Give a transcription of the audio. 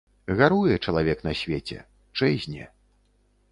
Гаруе чалавек на свеце, чэзне.